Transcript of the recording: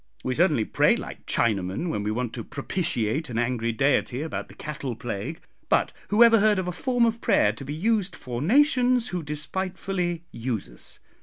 We certainly pray like Chinamen when we want to propitiate an angry Deity about the cattle plague; but who ever heard of 'a form of prayer to be used' for nations 'who despitefully use us.'